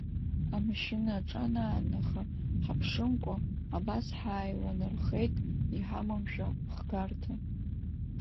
Амашьына аҿанаанаха, ҳаԥшымкәа, абас ҳааиланархеит иҳамамшәа хгарҭа…